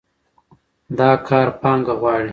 دا کار پانګه غواړي.